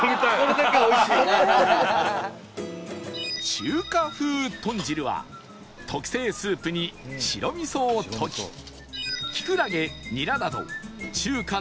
中華風豚汁は特製スープに白味噌を溶きキクラゲニラなど中華ならではの具材を煮込む